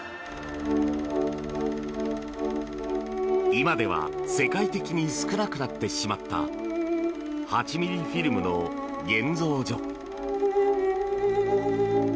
今では世界的に少なくなってしまった８ｍｍフィルムの現像所。